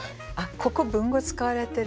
ここ文語使われてる。